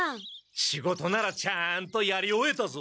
仕事ならちゃんとやり終えたぞ！